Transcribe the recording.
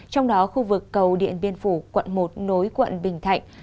trong đó khu vực cầu điện biên phủ quận một nối quận bình thạnh